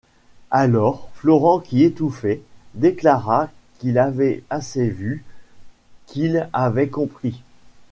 Alors, Florent qui étouffait, déclara qu’il avait assez vu, qu’il avait compris.